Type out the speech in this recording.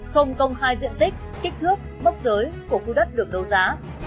không công khai diện tích kích thước mốc giới của khu đất được đấu giá